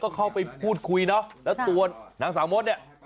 ก็เข้าไปพูดคุยเนอะแล้วตัวนางสาวมดเนี่ย